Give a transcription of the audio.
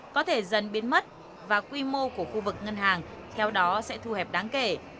có thể dần biến mất và quy mô của khu vực ngân hàng theo đó sẽ thu hẹp đáng kể